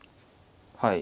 はい。